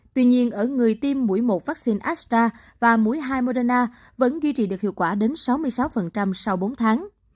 tuy nhiên ở người tiêm mũi một vaccine astra và mũi hai moderna vẫn duy trì được hiệu quả đến sáu mươi sáu sau bốn tháng